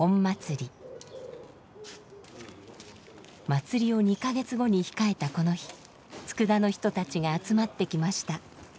祭りを２か月後に控えたこの日佃の人たちが集まってきました。